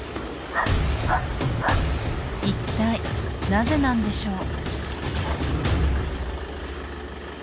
一体なぜなんでしょう？